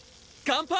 乾杯！